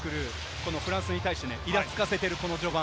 このフランスに対してね、いらつかせているこの序盤。